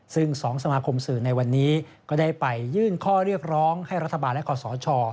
ซึ่ง๒สมาคมสื่อในวันนี้ก็ได้ไปยื่นข้อเรียกร้องให้รัฐบาลและขอสช